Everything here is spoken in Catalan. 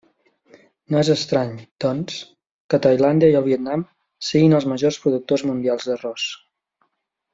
No és estrany, doncs, que Tailàndia i el Vietnam siguin els majors productors mundials d’arròs.